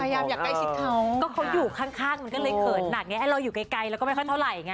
เค้าอยู่ข้างมันก็เลยเขิดหนังไงเราอยู่ไกลเราก็ไม่ได้ไข้เท่าไหร่ไง